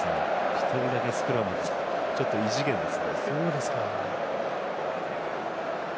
１人だけスクラム、異次元です。